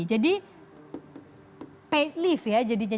jadi paid leave ya jadinya